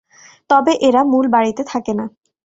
তবে এরা মূল বাড়িতে থাকে না!